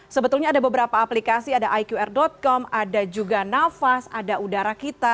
sebetulnya ada beberapa aplikasi ada iqr com ada juga nafas ada udara kita